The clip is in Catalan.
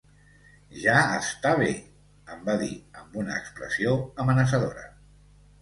"Ja està bé", em va dir amb una expressió amenaçadora.